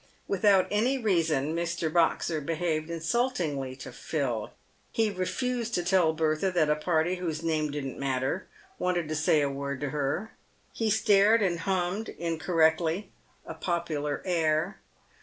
Without any reason, Mr. Boxer behaved insultingly to Phil. He refused to tell Bertha that a party, whose name didn't matter, wanted to say a word to her. He stared, and hummed (incorrectly) a popular air.